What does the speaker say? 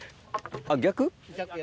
あっ逆？